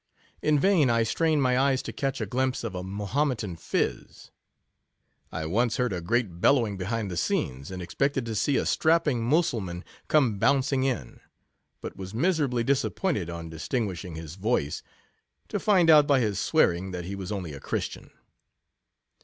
In vain 1 strained 13 ray eyes to catch a glimpse of a Mahometan phiz. I once heard a great bellowing be hind the scenes, and expected to see a strap ping Mussulman come bouncing in ; but was miserably disappointed, on distinguishing his voice, to find out by his sivearing that he was only a Christian.